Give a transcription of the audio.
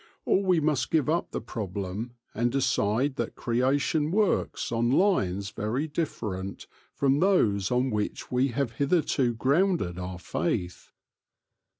Or we must give up the problem and decide that creation works on lines very different from those on which we have hitherto grounded our faith.